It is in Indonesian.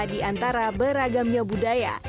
di antara beragamnya budaya